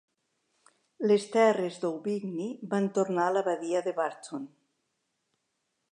Les terres d'Aubigny van tornar a l'abadia de Burton.